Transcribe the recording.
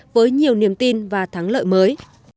với nhiều niềm tin và thắng lợi mới